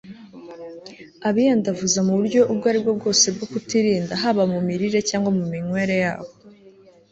abiyandavuza mu buryo ubwo aribwo bwose bwo kutirinda, haba mu mirire cyangwa mu minywere yabo